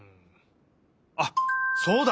あっそうだ！